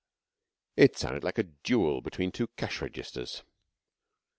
It sounded like a duel between two cash registers.